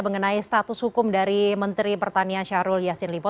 mengenai status hukum dari menteri pertanian syahrul yassin limpo